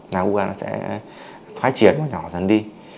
là ung thư gan sẽ thoái chiến và nhỏ dần đi